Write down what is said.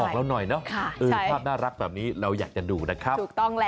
ออกเราหน่อยเนอะภาพน่ารักแบบนี้เราอยากจะดูนะครับ